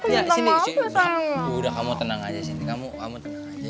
ya sini sini udah kamu tenang aja sini